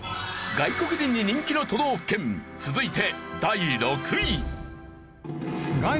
外国人に人気の都道府県続いて。